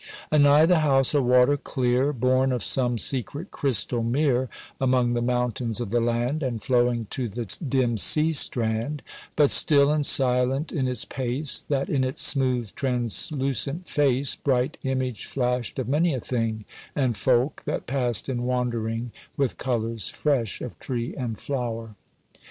Anigh the house a water clear, Born of some secret crystal mere Among the mountains of the land, And flowing to the dim sea strand; But still and silent in its pace, That in its smooth translucent face Bright image flashed of many a thing, And folk that passed in wandering, With colours fresh of tree and flower.